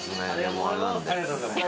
ありがとうございます！